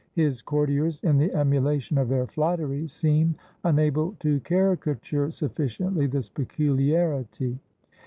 His courtiers, in the emulation of their flattery, seem unable to caricature sufficiently this pecuharity.